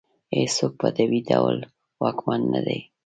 هېڅوک په طبیعي ډول واکمن نه دی.